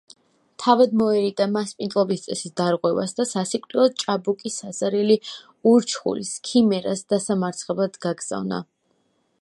თავად მოერიდა მასპინძლობის წესის დარღვევას და სასიკვდილოდ ჭაბუკი საზარელი ურჩხულის, ქიმერას, დასამარცხებლად გაგზავნა.